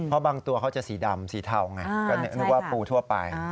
เพราะบางตัวเขาจะสีดำสีเทาไงก็นึกว่าปูทั่วไป